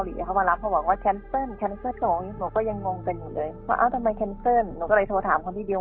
สาวงานที่สุดท้ายจึงแค่สว่างอุ้มสำคัญที่สุดท้าย